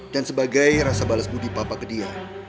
dan sebagai rasa balas budi papa ke dia